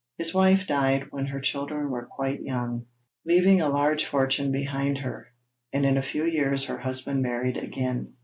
His wife died when her children were quite young, leaving a large fortune behind her, and in a few years her husband married again.